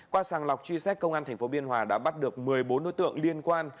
qua sàng lọc truy xét công an tp biên hòa đã bắt được một mươi bốn đối tượng liên quan